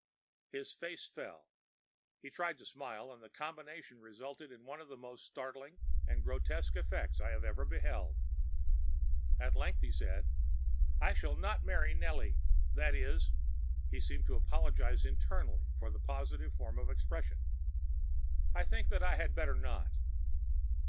‚ÄĚ His face fell. He tried to smile, and the combination resulted in one of the most startling and grotesque effects I ever beheld. At length he said,‚ÄĒ “I shall not marry Nellie,‚ÄĒthat is,‚ÄĚ‚ÄĒhe seemed to apologize internally for the positive form of expression,‚ÄĒ‚ÄúI think that I had better not.